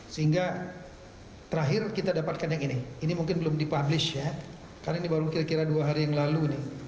sehingga terakhir kita dapatkan yang ini ini mungkin belum dipublish ya karena ini baru kira kira dua hari yang lalu